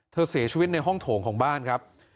เสียชีวิตในห้องโถงของบ้านครับ